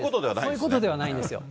そういうことではないんですよ。